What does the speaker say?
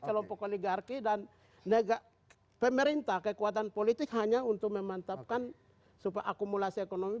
kelompok oligarki dan pemerintah kekuatan politik hanya untuk memantapkan supaya akumulasi ekonomi